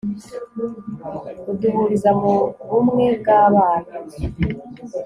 uduhuriza mu bumwe, bw'abana